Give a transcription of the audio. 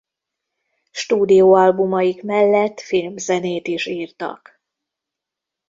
Stúdióalbumaik mellett filmzenét is írtak.